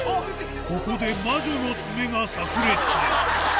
ここで魔女の爪がさく裂。